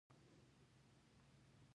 دومره لرې نه دی.